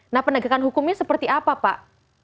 nah penegakan hukumnya seperti apa pak